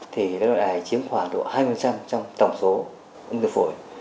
thì cái loại này chiếm khoảng độ hai mươi trong tổng số ung thư phổi